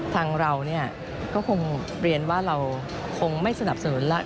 ทางเราก็คงเรียนว่าเราคงไม่สนับสนุนแล้ว